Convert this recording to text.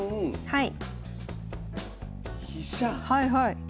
はいはい。